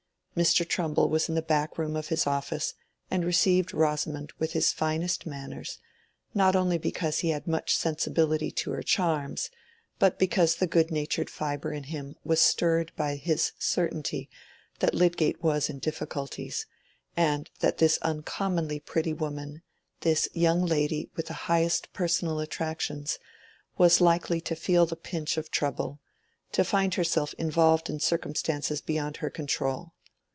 Mr. Trumbull was in the back room of his office, and received Rosamond with his finest manners, not only because he had much sensibility to her charms, but because the good natured fibre in him was stirred by his certainty that Lydgate was in difficulties, and that this uncommonly pretty woman—this young lady with the highest personal attractions—was likely to feel the pinch of trouble—to find herself involved in circumstances beyond her control.